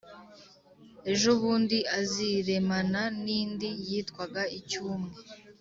ejobundi, aziremana n’indi yitwaga icyumwe,